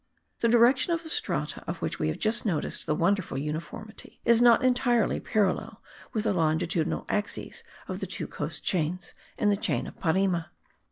The direction of the strata, of which we have just noticed the wonderful uniformity, is not entirely parallel with the longitudinal axes of the two coast chains, and the chain of Parime.